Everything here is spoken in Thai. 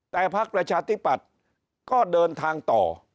แต่ภักดิ์ราชาธิบัตรก็เดินทางต่อ